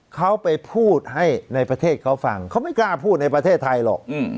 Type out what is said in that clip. เขาไปพูดให้ในประเทศเขาฟังเขาไม่กล้าพูดในประเทศไทยหรอก